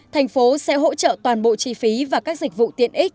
thành phố sẽ hỗ trợ toàn bộ chi phí và các dịch vụ tiện ích